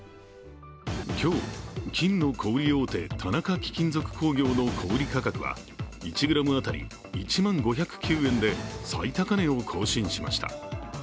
今日、金の小売り大手田中貴金属工業の小売価格は１グラムあたり１万５０９円で最高値を更新しました。